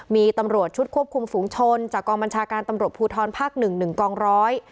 มีตำรวจชุดควบคุมฝูงชนจากกองบัญชาการตำรวจภูทรภาคหนึ่งหนึ่งกองร้อย